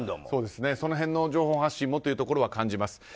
その辺の情報発信をというところは感じます。